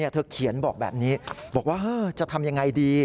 เธอเขียนบอกแบบนี้บอกว่าจะทำยังไงดี